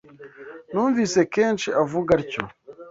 Numvise kenshi avuga atyo.